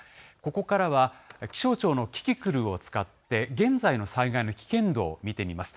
ここからは気象庁のキキクルを使って、現在の災害の危険度を見てみます。